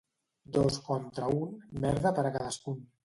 Dos contra un, merda per a cadascun.